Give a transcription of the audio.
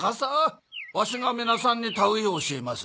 ワシが皆さんに田植えを教えます